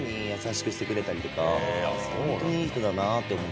ホントにいい人だなって思って。